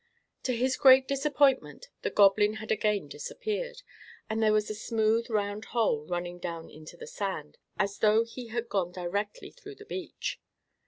To his great disappointment the Goblin had again disappeared, and there was a smooth, round hole running down into the sand, as though he had gone directly through the beach.